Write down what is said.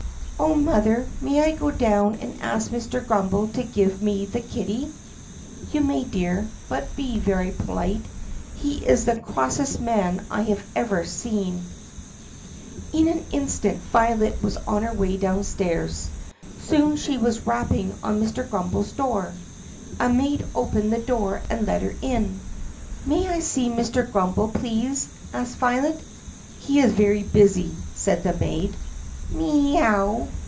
"Oh, Mother, may I go down and ask Mr. Grummbel to give me the kitty 4 ?" 44 You may, dear, but be very polite. He is the crossest man I have ever seen." THE PUSSYCAT PRINCESS 5 In an instant Violet was on her way downstairs. Soon she was rapping on Mr. Grummbers door. A maid opened the door and let her in. "May I see Mr. Grummbel, please 4 ?" asked Violet. "He is very busy," said the maid. "MEE OW!